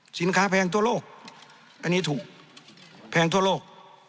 แพงทั่วโลกอันนี้ถูกแพงทั่วโลก